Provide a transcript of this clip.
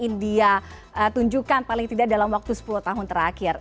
india tunjukkan paling tidak dalam waktu sepuluh tahun terakhir